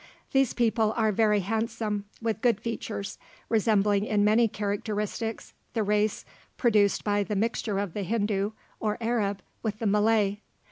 These people are very handsome, with good features, resembling in many characteristics the race produced by the mixture of the Hindoo or Arab with the Malay.